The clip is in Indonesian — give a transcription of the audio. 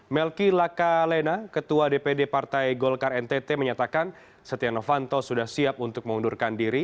melki lakalena ketua dpd partai golkar ntt menyatakan setia novanto sudah siap untuk mengundurkan diri